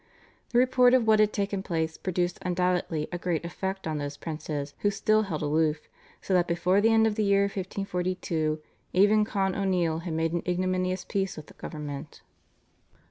The report of what had taken place produced undoubtedly a great effect on those princes who still held aloof, so that before the end of the year 1542 even Con O'Neill had made an ignominious peace with the government.